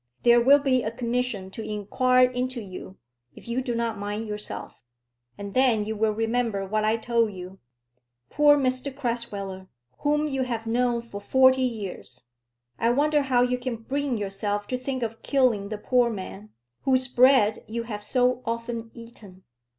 There will be a commission to inquire into you if you do not mind yourself, and then you will remember what I told you. Poor Mr Crasweller, whom you have known for forty years! I wonder how you can bring yourself to think of killing the poor man, whose bread you have so often eaten!